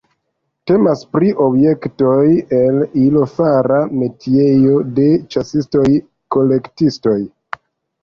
Temas pri objektoj el ilo-fara metiejo de ĉasistoj-kolektistoj.